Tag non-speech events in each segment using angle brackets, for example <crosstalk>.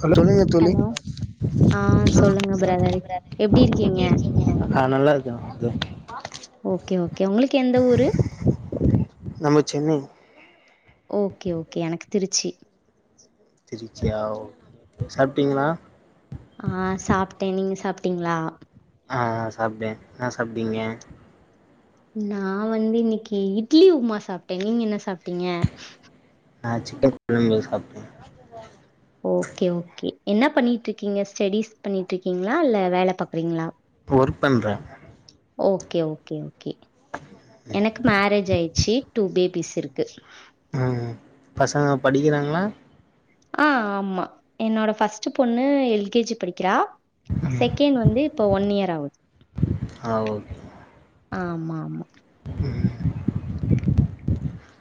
Hello சொல்லுங்க தோழி hello, ஆ சொல்லுங்க பிரதர் எப்டி இருக்கீங்க? ஆ நல்லா இருக்கே ஓகே, ஓகே, உங்களுக்கு எந்த ஊரு? நம்ம சென்னை ஓகே ஓகே எனக்கு திருச்சி திருச்சியா? சாப்பிட்டீங்களா ஆ, சாப்பிட்ட நீங்க சாப்பிட்டீங்ளா ஆ, ஆ, சாப்பிட்டே என்ன சாப்பிட்டீங்க நா வந்து இன்னைக்கி இட்லி உப்புமா சாப்ட்டே, நீங்க என்ன சாப்ட்டீங்க நா சிக்கன் கொழம்பு சாப்ட்டே ஓகே, ஓகே என்ன பண்ணிட்டு இருக்கீங்க ஸ்டெடிஸ் பண்ணிட்டு இருக்கீங்களா? இல்ல வேல பாக்குறீங்ளா? ஒர்க் பண்றே ஓகே ஓகே ஓ கே எனக்கு மேரேஜ் ஆயிடுச்சு டூ பே பிஸ் இருக்கு ம் பசங்க படிக்கிறாங்ளா? ஆ ஆமா என்னோட ஃபஸ்ட் பொண்ணு எல் கே ஜி படிக்கிறா ம் செகண்ட் வந்து இப்ப ஒன் இயர் ஆவுது ஆ ஓகே ஆமா ஆமா ம்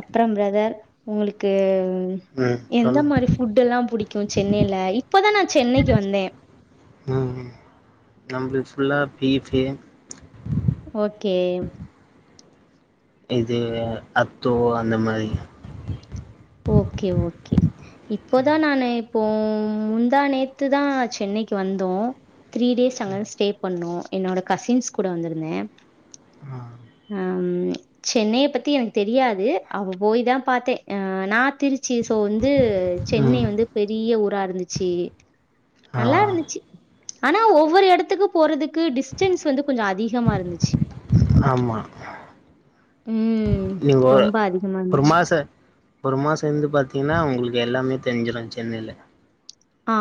அப்பற பிர தர் உங்களுக்கு ம் எந்த சொல்லுங்க மாரி ஃபுட் எல்லா புடிக்கு சென்னையில இப்பதா நா சென்னைக்கு வந்தே நம்ளுக்கு ஃபுல்லா பீஃப் ஓகே இது அத்தூ அந்த மாரி ஓகே ஓகே இப்போதா நானு இப்போ முந்தா நேத்துதா சென்னைக்கு வந்தோ த்ரீ டேஸ் அங்கதா ஸ்டே பண்ணோ என்னோட கசின்ஸ் கூட வந்திருந்தே ஹம் சென்னைய பத்தி எனக்கு தெரியாது அவ போய்தா பாத்தே அ நா திருச்சி சோ வந்து சென்னை ம் வந்து பெரிய ஊ ரா இருந்துச்சு ஆ நல்லாருந்துச்சு ஆனா ஒவ்வொரு எடத்துக்கு போறதுக்கு டிஸ்டன்ஸ் வந்து கொஞ்ச அதிகமா இருந்துச்சு ஆமா ம். நீ ஒ ரொம்ப அதிகமா ஒரு இருந்துச்சு. மாச ஒரு மாச இருந்து பாத்திங்னா உங்ளுக்கு எல்லாமே தெரிஞ்சிரு சென்னைல ஆ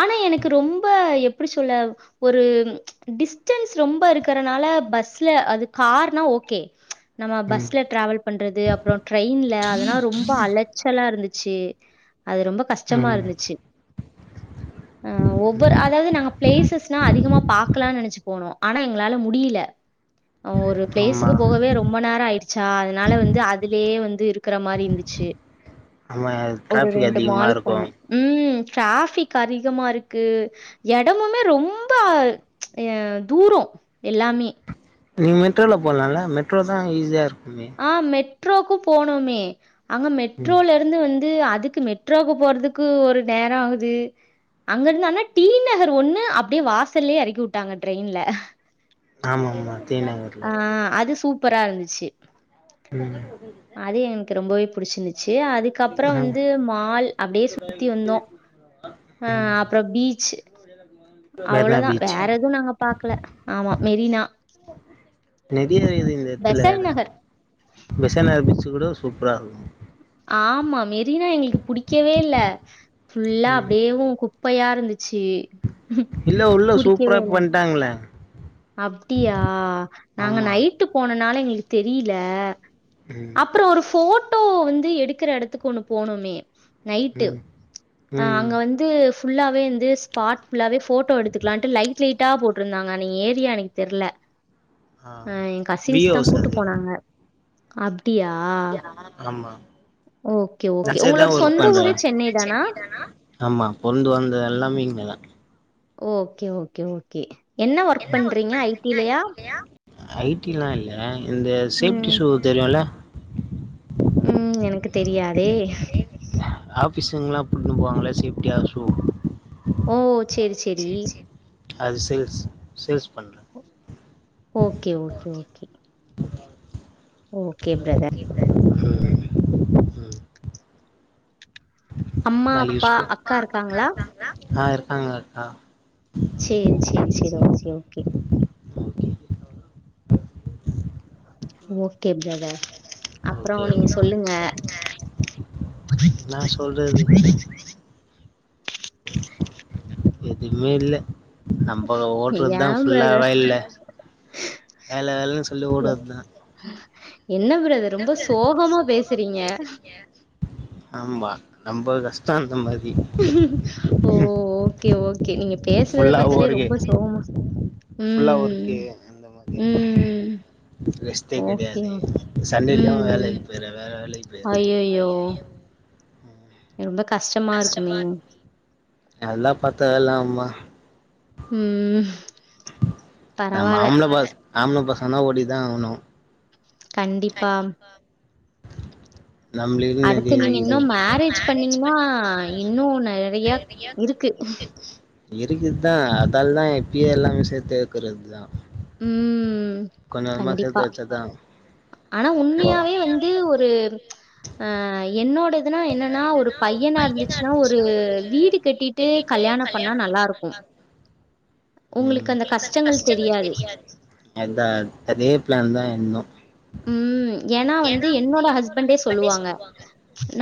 ஆனா எனக்கு ரொம்ப எப்டி சொல்ல ஒரு டிஸ்டன்ஸ் ரொம்ப இருக்கறனால பஸ்ல அது கார்னா ஓகே நம்ம ம் பஸ்ல டிராவல் பண்றது அப்புற ட்ரெயின்ல அதெல்லா ரொம்ப அலைச்சலா இருந்துச்சு அது ரொம்ப கஷ்டமா ம் இருந்துச்சு ஆஹ் ஒவ்வொரு அதாவது நாங்க பிளேசஸ்னா அதிகமா பாகக்கலான்னு நெனச்சு போனோ ஆனா எங்களால முடில ஒரு ஆமா பிளேஸுக்கு போகவே ரொம்ப நேரோ ஆயிடுச்சா அதனால வந்து அதுலயே வந்து இருக்கற மாரி இருந்துச்சு ஆமா ஒரு டிராஃபிக் ரெண்டு அதிகமா மால் இருக்கு போனு ம் டிராஃபிக் அதிகமா இருக்கு எடமுமே ரொம்ப அஹ் தூரு எல்லாமே நீங்க மெட்ரோல போலால்ல மெட்ரோ தான் அங்க ஈஸியா இருக்கூ ஆஹ் மெட் ட்ரோக்கூ போனுமே அங்க ம் மெட்ரோல இருந்து வந் து அதுக்கு மெட்ரோக்கு போறதுக்கு ஒரு நேரோ ஆவுது அங்க இருந்து ஆனா டி நகர் ஒண்ணு அப்டே வாசல்லே எறக்கி விட்டாங்க ட்ரெயின்ல ஆமா ஆமா டி நகர்ல ஆஹ் அது சூப் பரா இருந்துச்சு ம் அதே எனக்கு ரொம்பவே புடிச்சிருந்துச்சு அதுக்கப்பறோ ஆ வந்து மால் அப்டே சுத்தி வந்தோ ம் ஆஹ் அப்பறோ பீச்சு மெரினா அவ்ளோதான் பீச் வேற எதுவு நாங்க பாக்கல ஆமா மெரினா டெத்துல பெசல் எட நகர் பெசனகர் பீச்சு கூட னும் சூப்பரா இருக்கூ ஆமா மெர் ரீனா எங்களுக்கு புடிக்கவே இல்ல ஃபுல்லா ம் அப்டியேவு கு ப்பையா இருந்துச் சி இல்ல உள்ள சூப்பரா புடிக்கவே இல பண்ட்டாங்களே அப்டியா நாங்க ஆமா நைட்டு போனனால எங்களுக் கு தெரில ம் அப்பறோ ஒரு போ ட்டோ வந்து எடுக்குற எடத்துக்கு ஒண்ணு போனோமே நைட்டு ம் ஆஹ் ம் அங்க வந்து ஃபுல்லாவேந்து ஸ்பாட் ஃபுல்லாவே போட்டோ எடுத்துக்கலான்ட்டு லைட் லைட் டா போட்ருந்தாங்க நீ <unintelligible> க்கு தெர்ல ஆ அஹ் என் வி கசின்ஸ்தா கூட்டு போனாங்க அப் ப்டியா ஆமா ஓகே ஓகே டெக்ஸ்டைல் தா உங்களோட ஒர்க் சொந்த பண்றே ஊரே சென்னை தானா ஆமா பொற்ந்து வளந்தது எல்லாமே இங்கதா ஓகே ஓகே ஓகே என்ன ஒர்க் பண்றீங்க ஐடிலயா ஐடி எல்லா இல்ல இந்த சேஃப்ட்டி ம் ஷூ தெரியுல்ல ம் எனக்கு தெரியாதே ஆஃபிஸுங்ல்லா போட்டுன்னு போவாங்களே சேப்டியா ஷூ ஓ சேரி சேரி அது சேல்ஸ் சேல்ஸ் பண்றே okay okay okay okay brother ம் ம் அம்மா நாளைக்கு யூஸ் அப்பா அக்கா இருக்காங்களா காங் அக்கா சேரி சேரி சேரி okay okay okay okay brother அப்புறொ ஓகே நீங்க சொல்லுங்க என்னா எதுமே இல்ல நம்ப ஓடுறதுதா ஏன் பிரதர் ஃபுல்லாவா இல்ல வேல வேலன்னு சொல்லி ஓடுறதுதா என்ன பிரதர் ரொம்ப சோகமா பேசுறீங்க ஆமா நம்ப கஷ்டொ அந்த மா ஓ ஓகே ஓகே கே நீங்க பேசுறத ஃபுல்லா பத்தாலே ஒர்க்கு ரொம்ப சோகமா ஃபுல்லா ம் ஒர்க்கு அந்த மாரி ம் ரெஸ்ட்டே ஓகே கெடையாது ஓகே சண்டேலயு ம் ம் வேலைக்கு போயிடுற வேற வேலைக்கு போயிடுறே ஐய்யய்யோ ரொம்ப கஷ்டமா இருக்குமே அதெல்லா பாத்தா வேலை ஆவூம்மா ம் ம் நா மாம்ல பஸ் ஆம்ள பசங்னா ஓடிதா ஆகணு கண்டிப்பா நம்மளுக்குன்னு அடுத்து நெறைய நீங்க இருக்குது இன்னு மேரேஜ் பண்ணீங்ன்னா இன்னு நறைய இருக்கு இருக்குதுதா அதால தா இப்பியே எல்லாமே சேத்து வெக்றதுதா ம் கொஞ்சோ கொஞ்சோமா சேத்து கண்டிப்பா. வெச்ச தா ஆனா உண்மையாவே வந்து ஒரு ஆ என்னோட எதுனா என்ன னா ஒரு பையனா இருந்துச்சுனா ஒரு வீடு கட்டிட்டு கல்யாணம் பண்ணா நல்லா இருக்கு உங்களுக்கு அந்த கஷ்டங்கள் தெரியாது அது யார் அதே பிளான் தா இன்னு உம் ஏனா வந்து என்னோட ஹஸ்பண்டே சொல்லுவாங்க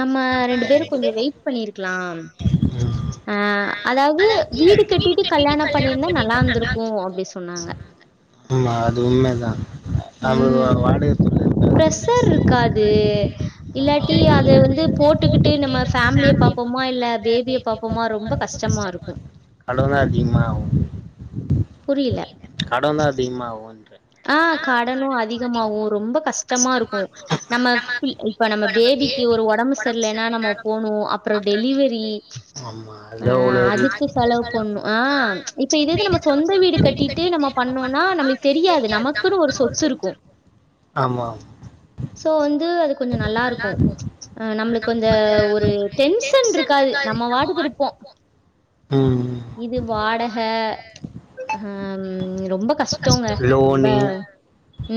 நம்ம ரெண்டு பேரு கொஞ்சோ வெயிட் பண்ணிருக்லா ம் அஹ் அதாவ்து வீடு கட்டிட்டு கல்யாண பண்ணிருந்தா நல்லா இருந்துருக்கு அப்டி சொன்னாங்க ஆமா அது வேற <inaudible> ஷர் இருக்காது இல்லாட்டி அத வந்து போட்டுக்கிட்டு நம்ம ஃபேம்லிய பாப்போமா இல்ல பேபிய பாப்போமா ரொம்ப கஷ்டமா இருக்கு கடன்தா அதிகமா ஆகு புரியல கடன்தா அதிகமா ஆகுன்றே ஆஹ் கடனு அதிகமாகு ரொம்ப கஷ்டமா மா இருக்கு நம்ம சி இப்ப நம்ம பேபிக்கு ஒரு ஒடம்பு செர்லனா நம்ம போணு அப்ற டெலிவரி ஆமா அதுல அஹ் அவ்ளோ அதுக்கு செலவு பண்ணு ஆஹ் இப்ப இதேது நம்ம சொந்த வீடு கட்டிட்டு நம்ம பண்ணோனா நம்மளுக்கு தெரியாது நமக் க்குன்னு ஒரு சொத்து இருக்கு ஆமா இருக்கும். சோ வந்து அது கொஞ்சோ நல்லா இருக்கு அஹ் நம்மளுக்கு அந்த ஒரு டென்ஷன் இருக்காது நம்ம வாட்டுக்கு இருப்போ ம் இது வாடக ஆஹ் ம் ரொம்ப கஷ்டோங்க ரொம் லோனு அஹ்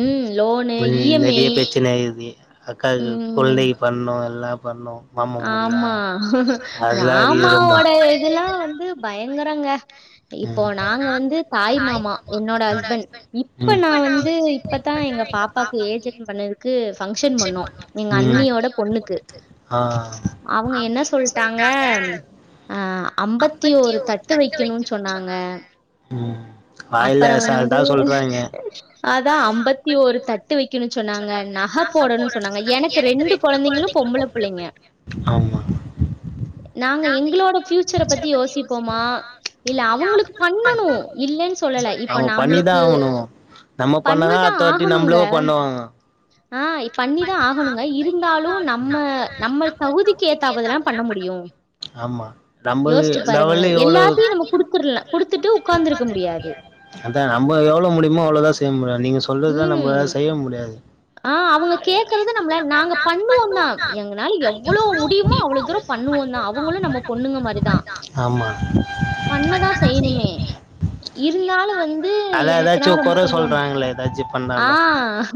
உம் லோனு இ எம் ஐ இதி அக்காங்க கொழந்தைக பண்ணு எல்லா பண்ணு ஆமா இருக்குது ரொம்ப மாமாவோட இதெல்லா வந்து பயங்கரங்க இப்போ ம் நாங்க வந்து தாய் மாமா என்னோட ஹஸ்பண்ட் இப்ப ம் நா வந்து இப்பதா எங்க பாப்பாக்கு ஏஜ் அட்டன் பண்ணதுக்கு ஃபங்கஷன் பண்ணோ எங்க ம் அண்ணியோட பொண்ணுக்கு ஆ அவுங்க என்ன சொல்ட்டாங்க ஆஹ் அம்பத்தியோரு தட்டு வெக்கணுன் சொன்னாங் ங்க ம் அப்பற வாயில அசால்ட்டா வந்து சொல்றாங்க அதா அம்பத்தியோரு தட்டு வெக்கணு சொன்னாங்க நக போடணு சொன்னாங்க எனக்கு ரெண்டு கொழந்தைங்களு பொம்பள பிள்ளைங்க ஆமா நாங்க எங்களோட ஃபியூச்சர பத்தி யோசிப்போமா இல்ல அவங்களுக்கு அவுங்ளுக்கு பண்ணணும். பண்ணணு இல்லன்னு இல்லென்னு சொல்லல இப்ப ஆமா பண்ணிதா நம்மளுக்கு ஆகணு நம்ம பண்ணி பண்ணாதா அடுத்தவாட்டி நம்மளே பண்ணுவாங்க ஆஹ் பண்ணிதா ஆகணுங்க இருந்தாலு நம்ம நம்ம நம்மள் தகுதிக்கு ஏத்தாப்புலதான் ஏத்தாப்புலதா பண்ண முடியும். முடியு யோசிச்சு பாருங்களேன். எல்லாத்தையு எல்லாத்தையும் நம்ம குடுத்துறலாம் குடுத்துற்ல குடுத்துட்டு உட்கார்ந்திருக்க உக்காந்துருக்க முடியாது. முடியாது ஆஹ் அவுங்க கேக்குறது நம்மளால் நாங்க பண்ணுவோந்தா எங்கனால எவ்ளோ முடியுமோ அவ்ளோ தூர பண்ணுவோந்தா அவங்களு நம்ம பொண்ணுங்க மாதிரிதா ஆமா பண்ணதா செய்யணுமே இருந்தாலு வந்து அதான் எனக்குனா ஏதாச்சும் ரொம்ப குறை கொஞ்ச சொல்றாங்களே ஏதாச்சும் பண்ணாலும் ஆஹ்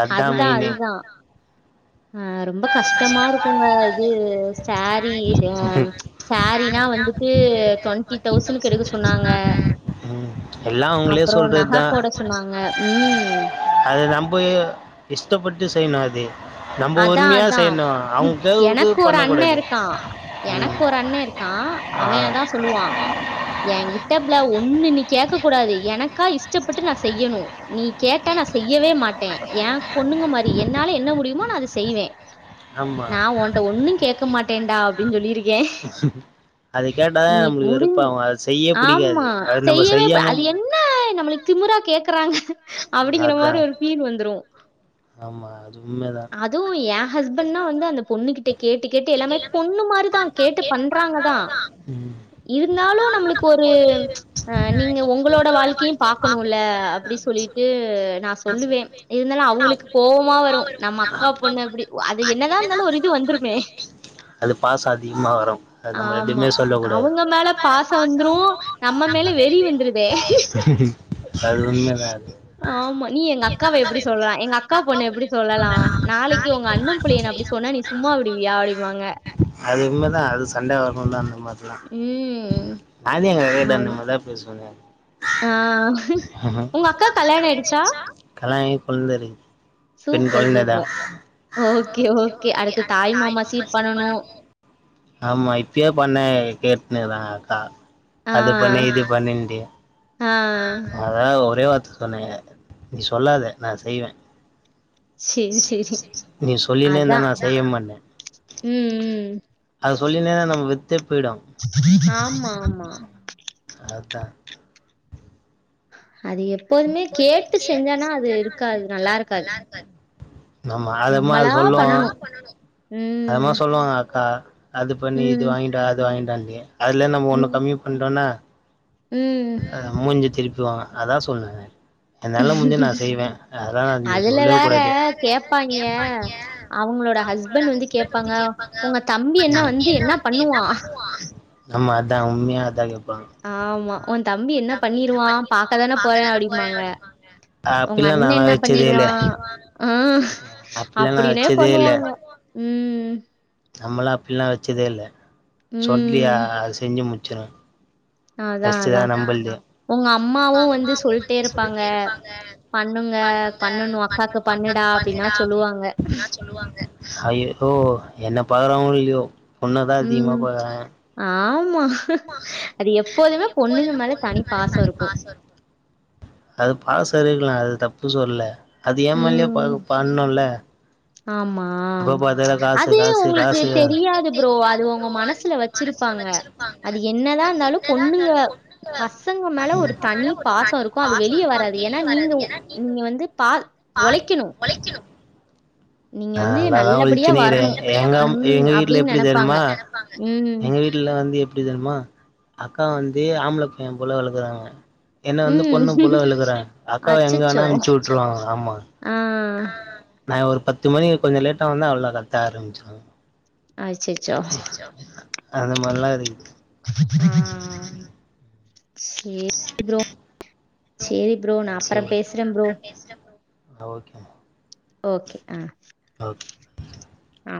அதான் அதுதா மெயினு அதுதா ஆஹ் ரொம்ப கஷ்டமா இருக்குங்க இது சேரி ஹிம் சேரினா வந்துட்டு ட்வெண்ட்டி தௌசண்க்கு எடுக்க சொன்னாங்க உம் எல்லா அவுங்களே அப்புறம் சொல்றத் நகை தா போட சொன்னாங்க. ம். அது நம்ப <unintelligible> இஷ்டப்பட்டு செய்யுனு அது நம்ம அதா உரிமையாக அதா செய்யணும் அவங்க கேவுக்கு எனக் ஒரு அண்ணே பண்ணக்கூடாது இருக்கா ம் எனக் ஒரு அண்ணே இருக்கா ஆ அவ அதா சொல்லுவா எங்கி <unintelligible> ஒண்ணு நீ கேக்க கூடாது எனக்கா இஷ்டப்பட்டு நா செய்யணு நீ கேட்ட நா செய்யவே மாட்டே ஏ பொண்ணுங்க மாரி என்னால என்ன முடியுமோ நா அது செய்வே ஆமாம் நா உன்ட்ட ஒன்னு கேட்க மாட்டேன்டா அப்டின் சொல்லிருக்கே அது கேட்டால் நீ தான் நம்மளுக்கு முடிஞ் வெறுப்பாகும் அது செய்ய ஆமா பிடிக்காது அது நம்ம செய்யவே ப அது செய்யாமல் என்ன நம்மளுக்கு திமுற கேக் குறாங்க அப்டிங்கிற மாரி அதான் ஒரு ஃபீல் வந்துரு ஆமா அ அதுவு எ ஹஸ்பண் தா வந்து அந்த பொண்ணு கிட்ட கேட்டு கேட்டு எல்லாமே பொண்ணு மாரிதா கேட்டு பண்றாங்கதா ம் இருந்தாலு நம்ளுக்கு ஒரு ச்ச் அ நீங்க உங்களோட வாழ்க்கியு பாக்கணுல அப்டி சொல்லிட்டு நா சொல்லுவே இருந்தாலு அவுங்குளுக்கு கோவமா வரு நம்ம அக்கா பொண்ணு அப்டி அது என்னதா இந்தாலு ஒரு இது வந்துருமே அது பாச அதிகமா வரு அது நம்ம ஆமா எதுமே சொல்ல கூடாது அவுங்க மேல பாசோ வந்துரு நம்ம மேல வெரி வந்துருதே அது உண்மைதா அது ஆமா நீ எங் அக்காவ எப்டி சொல்ல எங்க அக்கா பொண்ண எப்டி சொல்லலா நாளைக்கு உங்க அண்ணே புள்ளைய நா அப்டி சொன்னா நீ சும்மா விடிவியா அப்டிம்பாங்க அது உண்மைதா அது சண்ட வருந்தா அந்த மாரிலா உம் நானே எங்க அக்கா அ கிட்ட அந்த மாரிதா பேசுவனே அ உங்க அக்காக் கல்யாண் ஆயிடுச்சா <unintelligible> கொலந்திரிக்குது சூப்பர் சூப்பர் ஓகே ஓகே அடுத்து தாய்மாமா சீர் பண்ணணு ஆமா இப்பியே பண்ண கேட்டுனுருக்கா அக்கா ஆ, அது பண்ணி இது பண்ணுன்டு ஆ. அதா ஒ ரேவார்த்த சொன்னேங்க நீ சொல்லாத நா செய்வே சரி, சரி. நீ சொல்லினேருந்தா அதான். நா செய்ய மாட்டே ம் ம் <unintelligible> ஆமா ஆமா த அது எப்போதுமே கேட்டு செஞ்சான்னா அது இருக்காது நல்லாருக்காது ஆமா அதமா அது சொல்லோ அதமா ம். சொல்லுவாங்க அக்கா அது பண்ணி இது ம். வாயிண்டு வா அது வாயிண்டு வான் <unintelligible> அதுலே நம்ம ஒண்ண ம். கமி பண்ட்டோனா ம். அ முஞ்சிது திருப்புவாங்க அதா சொன்னனே என்னால முஞ்சது நா செய்வே அதலா நீ அதுல சொல்லவே வேற கூடாது கேப்பாய்ங்க. அவங்களோட ஹஸ்பண்ட் வந்து கேப்பாங்க, "உங்க தம்பி என்ன வந்து என்ன பண்ணுவான்?" ம் ஆமா அதா உண்மையா அதா கேப் ஆமா உ தம்பி என்ன பண்ணிருவா பாக்கதானே போறே அப்படிம்பாங்க உங்க அப்பில்லா அண்ணே நாலா என்ன வச்சதே இல்ல பண்ணிருவா ஆ அப்பில்லா நா அப்படினே வச்சதே இல்ல பண்ணுவாங்க ம் நம்மளா அப்டிலா வெச்சதே இல்ல சொல்டியா ம். அ செஞ்சு முச் சா அதான் ஃபஸ்டுதா அதான். நம்புள்து உங்க அம்மாவும் வந்து சொல்ட்டே இருப்பாங்க. பண்ணுங்க, பண்ணணும் அக்காக்கு பண்ணுடா அப்டின்னா சொல்லுவாங்க. ஐ ஓ என்ன பாக்குறாங்ளோ இல்லியோ பொண்ணதா அதிகமா ம். பாக்குறாங்க ஆமா. அது எப்போதுமே பொண்ணுங்க மேல தனி பாச இருக்கு அது பாச இருக்கலா அது தப்பு சொல்ல அது எ மேலயு ப ம். பண்ணுல்ல ஆமா எப்ப பாத்தாலு காசு அது காசு உங்களுக்கு காசு தெரியாது ப்ரோ அது உங்க மனசுல வெச்சிருப்பாங்க அது என்னதா இருந்தாலு பொண்ணுங்க பசங்க மேல ஒரு தனி பாச இருக்கு அது வெளிய வராது ஏனா நீங்க நீங்க வந்து பா ஒழைக்கணு நா நல்லாதா ஒழச்சினிருக்றே எங்க அம் ம். எங்கு வீட்ல அப்டின்னு எப்டி நெனப்பாங்க. தெருமா ம். எங்க வீட்லெலா வந்து எப்டி தெரிமா அக்கா வந்து ஆம்ப்ள பைய்ய போல வளக்குறாங்க என்ன வந்து ம். பொண்ணு போல வளக்குறாங்க அக்காவ எங்க அச்சச்சோ! வேணா அனுப்ச்சி உட்ருவாங்க ஆமா ஆ. ஆ நா ஒரு பத் து மணிக் கொஞ்சோ லேட்டா வந்த அவ்ளோதா கத்த ஆரம்ப்ச்சிருவாங்க அச்சச்சோ! அந்த மாரிலா இருக்குது ஆ சேரி ப்ரோ சேரி ப்ரோ நா அப்பற சோ பேசறே ப்ரோ ஆ ஓகே ஓகே ஆ ஓகே ஆ